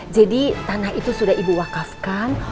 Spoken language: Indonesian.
jadi tanah itu sudah ibu wakafkan